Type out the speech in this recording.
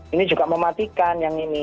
ini juga mematikan yang ini